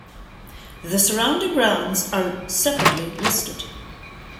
The surrounding grounds are separately listed.